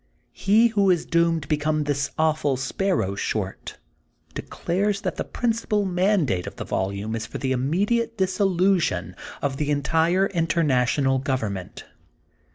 He who is doomed to become this awful Sparrow Short declares that the principal mandate of the volume is for the immediate dissolution of the entire International Government.